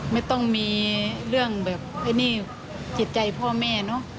ไม่ต้องมีเรื่องแบบอันนี้จิตใจพ่อแม่